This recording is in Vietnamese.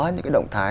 những cái động thái